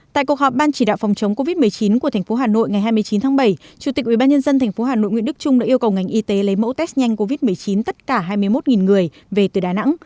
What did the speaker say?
tại cuộc họp ban chỉ đạo phòng chống covid một mươi chín của thành phố hà nội ngày hai mươi chín tháng bảy chủ tịch ubnd tp hà nội nguyễn đức trung đã yêu cầu ngành y tế lấy mẫu test nhanh covid một mươi chín tất cả hai mươi một người về từ đà nẵng